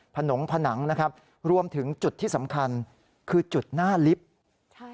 ผนงผนังนะครับรวมถึงจุดที่สำคัญคือจุดหน้าลิฟต์ใช่